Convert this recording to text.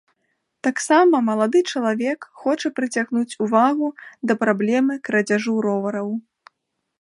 Таксама малады чалавек хоча прыцягнуць увагу да праблемы крадзяжу ровараў.